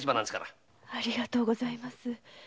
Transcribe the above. ありがとうございます。